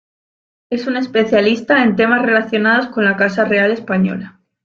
Es un especialista en temas relacionados con la Casa Real Española.